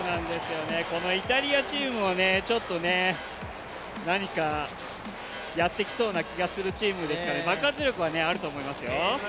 このイタリアチームはちょっと何かやってきそうな気がするチームですから、爆発力はあると思いますよ。